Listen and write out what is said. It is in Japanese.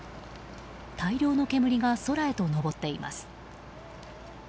大量の煙が空へと上っています。